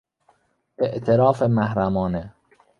اعتراف محرمانه